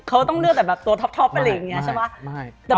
เขาต้องเลือกแต่แบบตัวท็อปอะไรอย่างนี้ใช่ไหม